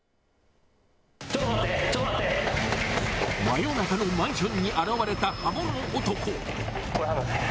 真夜中のマンションに現れた刃物男。